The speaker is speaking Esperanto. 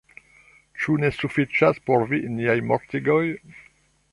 Ĉu ne sufiĉas por vi niaj mortigoj?